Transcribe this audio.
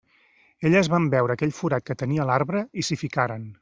Elles van veure aquell forat que tenia l'arbre i s'hi ficaren.